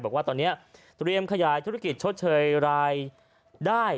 บอกว่าตอนนี้เตรียมขยายธุรกิจชดเชยรายได้